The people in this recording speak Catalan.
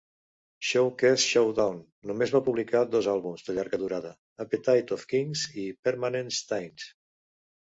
Showcase Showdown només va publicar dos àlbums de llarga durada, "Appetite of Kings" i "Permanent Stains".